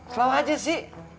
selau aja sih